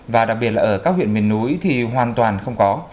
và đặc biệt là ở các huyện miền núi thì hoàn toàn không có